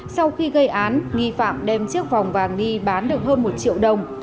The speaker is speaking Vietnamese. sau khi gây án nghi phạm đem chiếc vòng vàng đi bán được hơn một triệu đồng